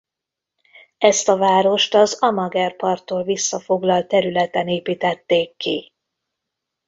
Ezt a várost az Amager-parttól visszafoglalt területen építették ki.